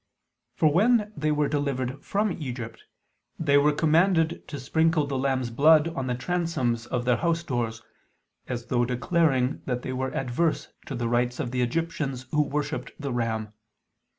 For when they were delivered from Egypt, they were commanded to sprinkle the lamb's blood on the transoms of their house doors, as though declaring that they were averse to the rites of the Egyptians who worshipped the ram.